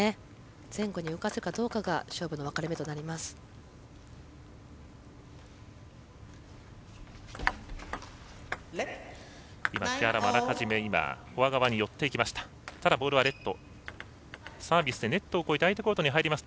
前後に動かすかどうかが勝負の分かれ目になります。